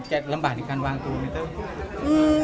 จะลำบากในการวางตัวไหมเต้ย